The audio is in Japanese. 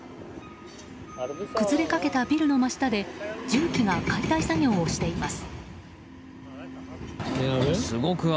崩れかけたビルの真下で重機が解体作業をしています。